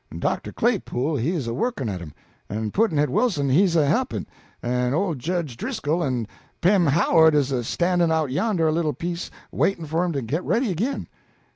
En Doctor Claypool he 'uz a workin' at him, en Pudd'nhead Wilson he 'uz a he'pin', en ole Jedge Driscoll en Pem Howard 'uz a standin' out yonder a little piece waitin' for 'em to git ready agin.